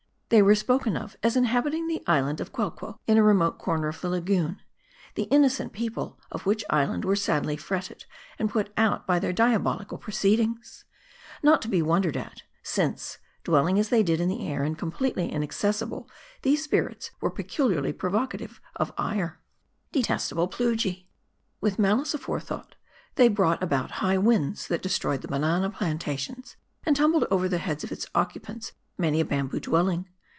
They were spoken of as inhabiting the island of Quelquo, in a remote corner of the lagoon ; 4he innocent people of which island were sadly fretted and put out by their diabol ical proceedings. Not to be wondered at ; since, dwelling as they did in the air, and completely inaccessible, these spirits were peculiarly provocative of ire. Detestable Plujii ! With malice aforethought, tl^y brought about high winds that destroyed the banana plan tations, and tumbled over the heads of its occupants many a bamboo dwelling.